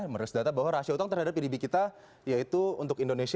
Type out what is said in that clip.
merilis data bahwa rasio utang terhadap pdb kita yaitu untuk indonesia tiga puluh persen